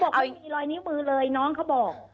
เขาบอกว่ามีรอยนิ้วมือเลยน้องเขาบอก